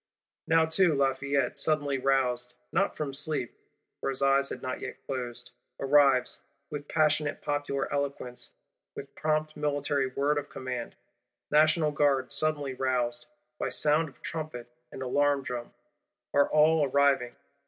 Now too Lafayette, suddenly roused, not from sleep (for his eyes had not yet closed), arrives; with passionate popular eloquence, with prompt military word of command. National Guards, suddenly roused, by sound of trumpet and alarm drum, are all arriving.